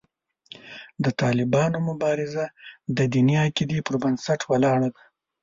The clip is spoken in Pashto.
د طالبانو مبارزه د دیني عقیدې پر بنسټ ولاړه ده.